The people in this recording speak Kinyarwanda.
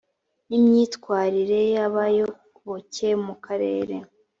n imyitwarire y abayoboke mu karere